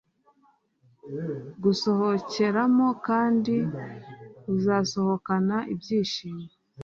gusohokeramo kandi uzasohokana ibyishimo